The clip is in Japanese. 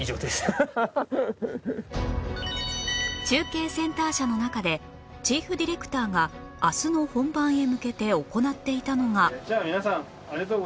中継センター車の中でチーフディレクターが明日の本番へ向けて行っていたのが